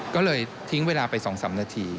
ก็เลยทิ้งเวลาไปสองสามนาที